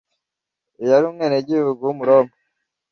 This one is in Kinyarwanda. Uyu yari umwenegihugu w’Umuroma